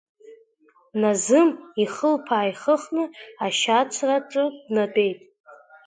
Наазым ихылԥа ааихыхны, ашьацраҿы днатәеит.